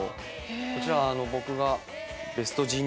こちらは僕が。